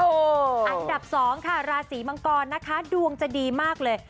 อันดับ๒ค่ะราศีมังกรนะคะดวงจะดีมากเลย